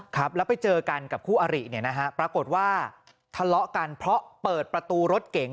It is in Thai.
ครับแล้วไปเจอกันกับคู่อริเนี่ยนะฮะปรากฏว่าทะเลาะกันเพราะเปิดประตูรถเก๋ง